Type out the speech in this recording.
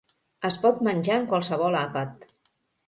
Es pot menjar en qualsevol àpat.